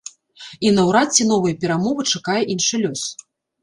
І наўрад ці новыя перамовы чакае іншы лёс.